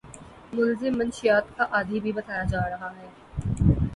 ملزم مشیات کا عادی بھی بتایا جا رہا ہے